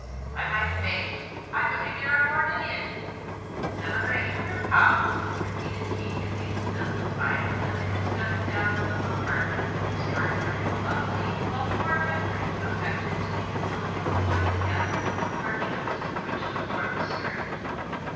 "By my faith, I believe ye're a born idiot! Seven or eight hunder pounds!" repeated he, at least a dozen times, as he whisked up and down the little apartment with extraordinary velocity, while poor Henry affected to be busily employed in gathering up the parchments with which the floor was strewed.